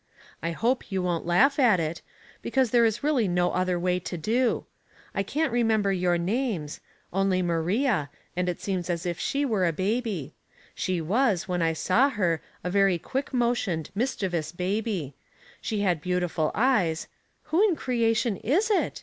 I hope you won't laugh at it, because there is really nc other way to do. I can't remember your names, only Maria, and it seems as if she were a baby ; she was, when I saw her, a very quick motioned, mischievous baby ; she had beautiful eyes Q who in creation is it